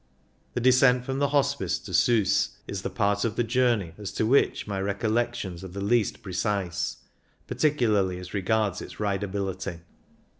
The descent from the Hospice to Slis is the part of the journey as to which my recollections are the least precise, par ticularly as regards its ridability.